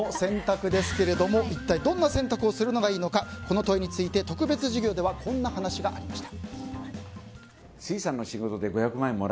どんな選択をするのがいいのかこの問いについて特別授業ではこんな話がありました。